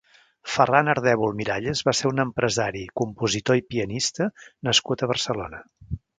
Ferran Ardèvol Miralles va ser un empresari, compositor i pianista nascut a Barcelona.